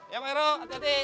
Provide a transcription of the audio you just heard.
ya pak heru hati hati